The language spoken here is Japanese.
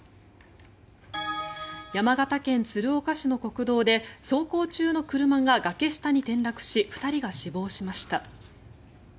山形県鶴岡市の国道で走行中の車が崖下に転落し２人が死亡しました。